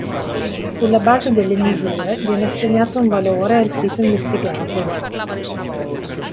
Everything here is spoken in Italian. Sulla base delle misure, viene assegnato un valore al sito investigato.